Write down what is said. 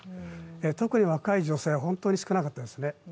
特に若い女性は本当に少なかったです。